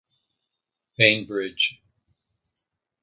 Bainbridge.